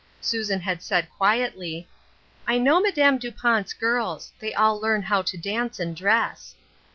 Susan had said quietly, —" I know Madame Dupont's girls ; they all learn how to dance and dress."